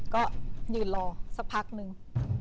ก็ยืนรอสักพักนึง